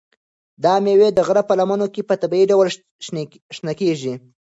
دا مېوې د غره په لمنو کې په طبیعي ډول شنه کیږي.